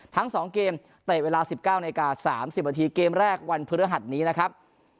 ทั้ง๒เกมเตะเวลา๑๙นาที๓๐นาทีเกมแรกวันพฤหัสนี้นะครับ